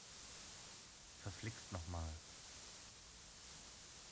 Verflixt noch mal!